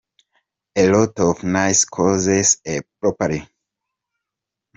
a lot of nice causes, as properly.